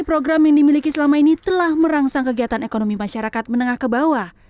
program yang dimiliki selama ini telah merangsang kegiatan ekonomi masyarakat menengah ke bawah